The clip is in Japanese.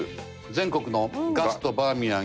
全国のガストバーミヤン